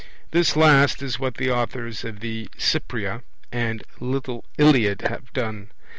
This last is what the authors of the Cypria and Little Iliad have done.